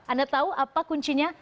anda tahu apa kuncinya